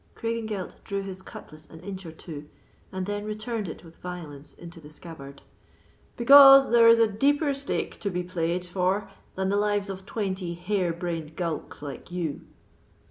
Craigengelt drew his cutlass an inch or two, and then returned it with violence into the scabbard—"Because there is a deeper stake to be played for than the lives of twenty hare brained gowks like you."